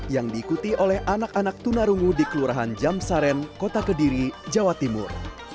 yang diikuti oleh anak anak tunarungu di kelurahan jam saren kota kediri jawa timur